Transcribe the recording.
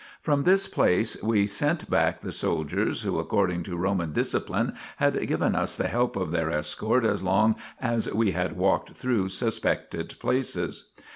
From this place we sent back the soldiers who according to Roman discipline had given us the help of their escort as long as we had walked through suspected places.